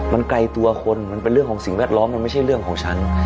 มันไกลตัวคนมันเป็นเรื่องของสิ่งแวดล้อมมันไม่ใช่เรื่องของฉัน